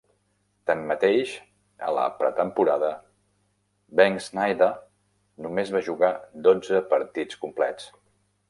Tanmateix, a la pretemporada, Benschneider només va jugar dotze partits complets.